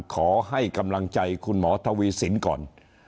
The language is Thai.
ขอให้กำลังใจคุณหมอทวีสินก่อน